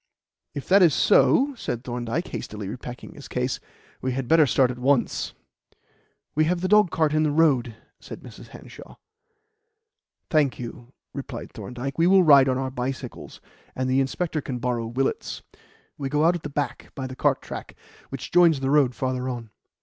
"If that is so," said Thorndyke, hastily repacking his case, "we had better start at once." "We have the dogcart in the road," said Mrs. Hanshaw. "Thank you," replied Thorndyke. "We will ride on our bicycles, and the inspector can borrow Willett's. We go out at the back by the cart track, which joins the road farther on."